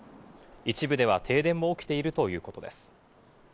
一部では停電も起きているということです。